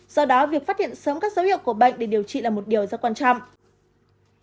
do đó việc phát hiện sớm các dấu hiệu của bệnh để điều trị là một điều rất quan trọng